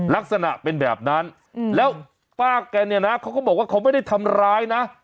ลักษณะเป็นแบบนั้นแล้วป้าแกเนี่ยนะเขาก็บอกว่าเขาไม่ได้ทำร้ายนะ